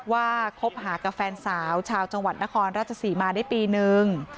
คบหากับแฟนสาวชาวจังหวัดนครราชศรีมาได้ปีนึง